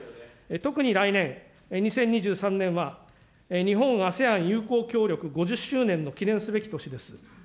特に来年・２０２３年は、日本ＡＳＥＡＮ友好協力５０周年の記念すべき年です。